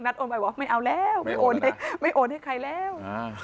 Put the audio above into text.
นัทโอนวัยบอกว่าไม่เอาแล้วไม่โอนให้ใครแล้ว